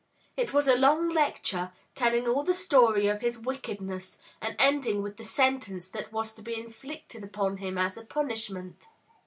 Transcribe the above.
It was a long lecture, telling all the story of his wickedness, and ending with the sentence that was to be inflicted upon him as a punishment.